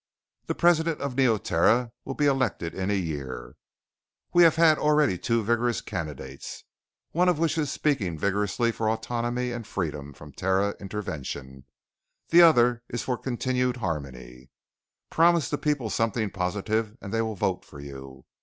The President of Neoterra will be elected in a year. We have already two vigorous candidates, one of which is speaking vigorously for autonomy and freedom from Terran intervention. The other is for continued harmony. Promise the people something positive and they will vote for you.